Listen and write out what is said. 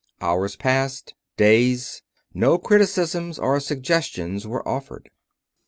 Hours passed. Days. No criticisms or suggestions were offered.